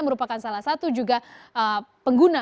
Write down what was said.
merupakan salah satu juga pengguna